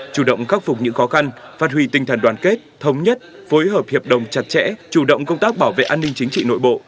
chủ động khắc phục những khó khăn phát huy tinh thần đoàn kết thống nhất phối hợp hiệp đồng chặt chẽ chủ động công tác bảo vệ an ninh chính trị nội bộ